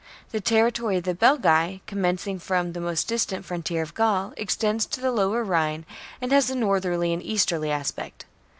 The territory of the Belgae, com mencing from the most distant frontier of Gaul, extends to the lower Rhine, and has a northerly and easterly aspect.